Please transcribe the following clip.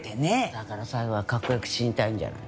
だから最後はかっこよく死にたいんじゃない。